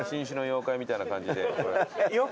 妖怪？